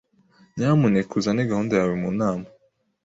Nyamuneka uzane gahunda yawe mu nama.